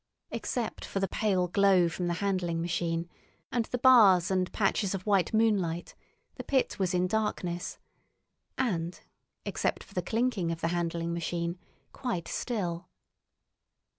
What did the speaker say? Except for the pale glow from the handling machine and the bars and patches of white moonlight the pit was in darkness, and, except for the clinking of the handling machine, quite still.